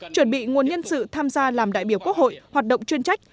chuẩn bị nguồn nhân sự tham gia làm đại biểu quốc hội hoạt động chuyên trách